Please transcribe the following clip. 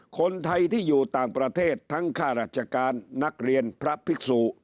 คนไทยที่อยู่ต่างประเทศทั้งข้าราชการนักเรียนพระภิกษุ